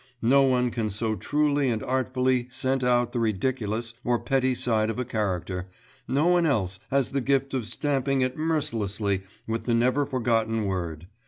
No one can so truly and artfully scent out the ridiculous or petty side of a character, no one else has the gift of stamping it mercilessly with the never forgotten word....